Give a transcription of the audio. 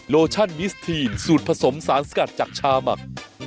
โลชั่นมิสทีนสูตรผสมสารสกัดจากชาหมัก